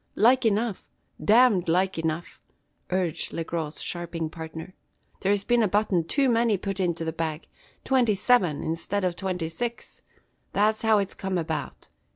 "Like enough, damned like enough!" urged Le Gros's sharping partner; "there's been a button too many put into the bag, twenty seven instead of twenty six. That's how it's come about.